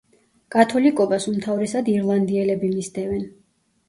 კათოლიკობას უმთავრესად ირლანდიელები მისდევენ.